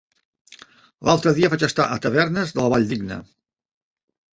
L'altre dia vaig estar a Tavernes de la Valldigna.